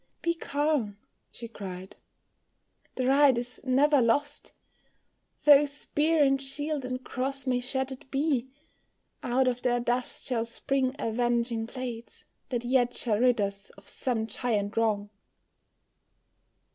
"Be calm," she cried, "the right is never lost, Though spear, and shield, and cross may shattered be, Out of their dust shall spring avenging blades That yet shall rid us of some giant wrong.